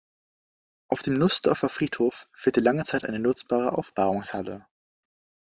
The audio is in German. Auf dem Nussdorfer Friedhof fehlte lange Zeit eine nutzbare Aufbahrungshalle.